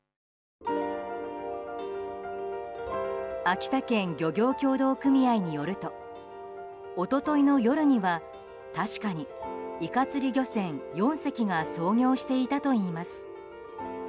秋田県漁業協同組合によると一昨日の夜には確かにイカ釣り漁船４隻が操業していたといいます。